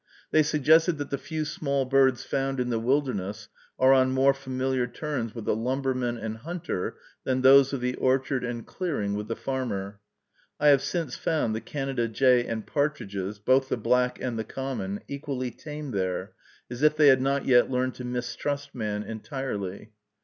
They suggested that the few small birds found in the wilderness are on more familiar terms with the lumberman and hunter than those of the orchard and clearing with the farmer. I have since found the Canada jay, and partridges, both the black and the common, equally tame there, as if they had not yet learned to mistrust man entirely.